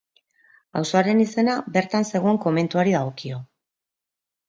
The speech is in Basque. Auzoaren izena bertan zegoen komentuari dagokio.